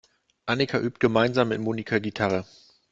Annika übt gemeinsam mit Monika Gitarre.